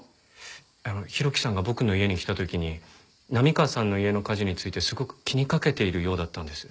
浩喜さんが僕の家に来た時に波川さんの家の火事についてすごく気にかけているようだったんです。